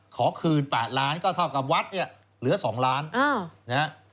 ขอคืน๘ล้านบาทก็เท่ากับวัฒน์เหลือ๒ล้านบาท